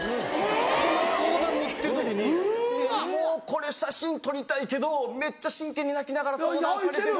この相談乗ってる時にもうこれ写真撮りたいけどめっちゃ真剣に泣きながら相談されてる。